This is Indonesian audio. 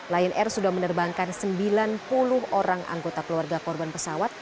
lion air sudah menerbangkan sembilan puluh orang anggota keluarga korban pesawat